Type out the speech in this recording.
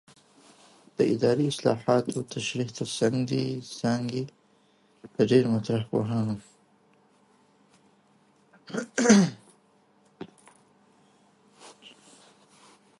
د اداري اصطلاحاتو د تشریح ترڅنګ د دې څانګې د ډېری مطرح پوهانو